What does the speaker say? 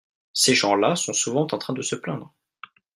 ces gens-là sont souvent en train de se plaindre.